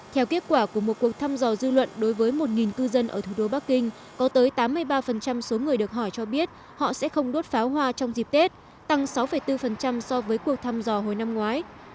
theo kết quả của một cuộc thăm dò dư luận đối với một cư dân ở thủ đô bắc kinh có tới tám mươi ba số người được hỏi cho biết họ sẽ không đốt pháo hoa trong dịp tết tăng sáu bốn so với cuộc thăm dò hồi năm ngoái